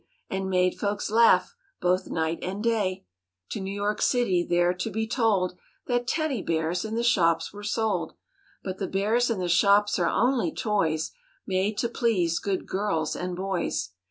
(And made folks laugh both night and day) To New York City, there to be told That Teddy Bears in the shops were sold. But the bears in the shops are only toys Made to please good girls and boys.